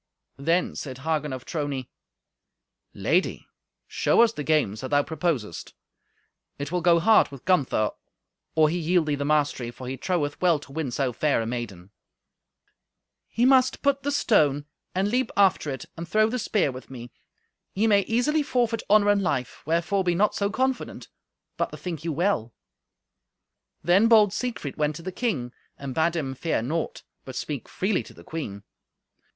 Then said Hagen of Trony, "Lady, show us the games that thou proposest. It will go hard with Gunther or he yield thee the mastery, for he troweth well to win so fair a maiden." "He must put the stone, and leap after it, and throw the spear with me. Ye may easily forfeit honour and life; wherefore be not so confident, but bethink you well." Then bold Siegfried went to the king, and bade him fear naught, but speak freely to the queen.